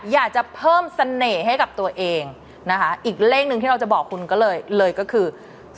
อยากจะเพิ่มเสน่ห์ให้กับตัวเองนะคะอีกเลขหนึ่งที่เราจะบอกคุณก็เลยเลยก็คือ